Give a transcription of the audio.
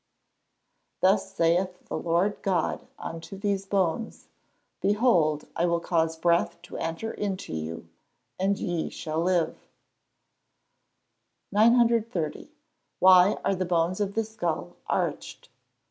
[Verse: "Thus saith the Lord God unto these bones, Behold I will cause breath to enter into you, and ye shall live:"] 930. _Why are the bones of the skull arched?